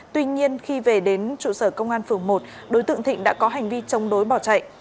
tuy nhiên khi về đến trụ sở công an phường một đối tượng thịnh đã có hành vi chống đối bỏ chạy